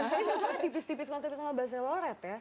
tapi sebenarnya tipis tipis konsumsi sama base loret ya